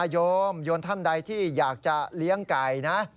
โยมโยมท่านใดที่อยากจะเลี้ยงไก่นะ